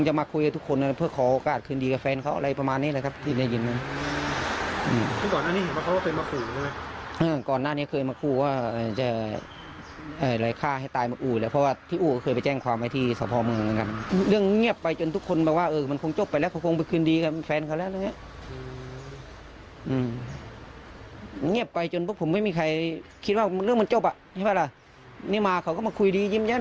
จุดถึงเกด